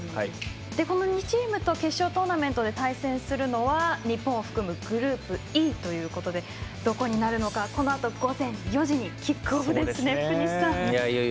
この２チームと決勝トーナメントと対戦するのは日本を含むグループＥということでどこになるのか、このあと午前４時にキックオフですね。